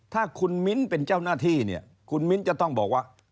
ถ้าคุณมิ้นเป็นเจ้าหน้าที่เนี่ยคุณมิ้นจะต้องบอกว่า